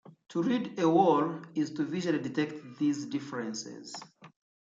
To "read a wall" is to visually detect these differences.